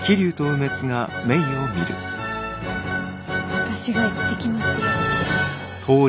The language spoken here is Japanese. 私が行ってきますよ。